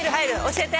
教えて！